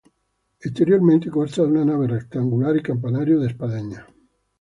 Exteriormente consta de una nave rectangular y campanario de espadaña.